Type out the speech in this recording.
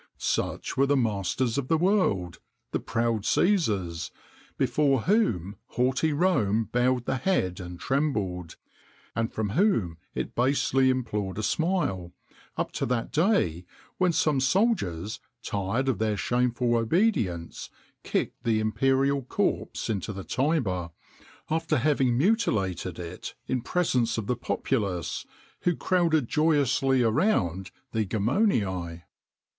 [XXIX 21] Such were the masters of the world, the proud Cæsars! before whom haughty Rome bowed the head and trembled, and from whom it basely implored a smile, up to that day when some soldiers, tired of their shameful obedience, kicked the imperial corpse into the Tiber, after having mutilated it in presence of the populace, who crowded joyously around the Gemoniæ.